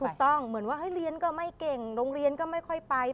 เหมือนว่าเรียนก็ไม่เก่งโรงเรียนก็ไม่ค่อยไป